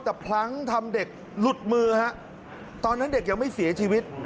แต่พลั้งทำเด็กหลุดมือฮะตอนนั้นเด็กยังไม่เสียชีวิต